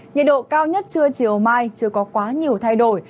nhiệt độ cao nhất trưa chiều mai chưa có quá nhiều thay đổi